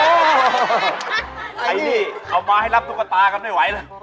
ไอ้นี่เอามาให้รับตุ๊กตากันไม่ไหวแล้ว